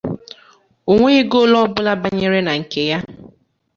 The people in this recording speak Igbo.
O nweghi goolu obula banyere na nke ya.